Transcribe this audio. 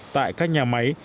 tại các nhà máy